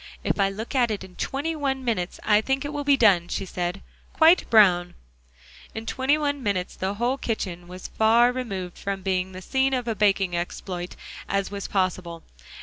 "If I look at it in twenty one minutes, I think it will be done," she said, "quite brown." In twenty one minutes the whole kitchen was as far removed from being the scene of a baking exploit as was possible.